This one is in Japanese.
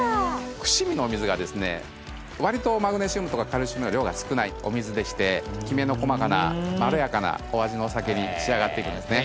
伏見のお水がですね割とマグネシウムとかカルシウムの量が少ないお水でしてキメの細かなまろやかなお味のお酒に仕上がっていくんですね。